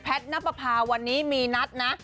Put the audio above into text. แพทย์น้ำประพาวันนี้มีนัดนะ